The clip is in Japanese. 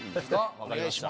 わかりました。